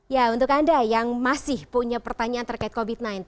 ya untuk anda yang masih punya pertanyaan terkait covid sembilan belas